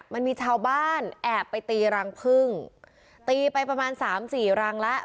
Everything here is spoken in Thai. มันมีชาวบ้านแอบไปตีรังพึ่งตีไปประมาณสามสี่รังแล้ว